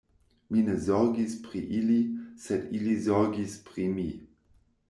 Mi ne zorgis pri ili, sed ili zorgis pri mi.